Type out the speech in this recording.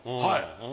はい。